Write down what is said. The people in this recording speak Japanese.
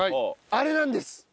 あれなんです。